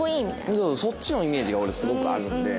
そうそうそっちのイメージが俺すごくあるので。